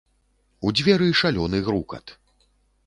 У дзверы шалёны грукат.